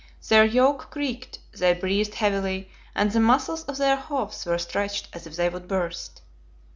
Their yoke creaked, they breathed heavily, and the muscles of their houghs were stretched as if they would burst.